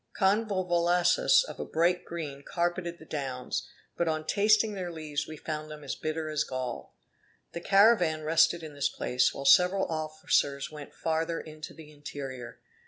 Convolvaluses of a bright green carpeted the downs; but on tasting their leaves we found them as bitter as gall. The caravan rested in this place, while several officers went farther into the interior.